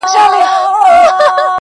بلبلکي کوچېدلي ګلغوټۍ دي رژېدلي -